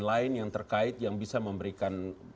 lain yang terkait yang bisa memberikan